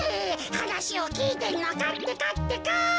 はなしをきいてんのかってかってか。